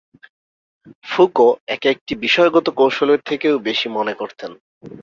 Foucault একে একটি বিষয়গত কৌশলের থেকেও বেশি মনে করতেন।